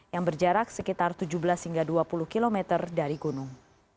yang berjarak sekitar tujuh belas hingga dua puluh km dari gunung